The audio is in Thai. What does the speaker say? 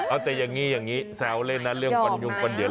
เอาแต่อย่างนี้แซวเล่นนะเรื่องกลอนยุมกลอนเหยิน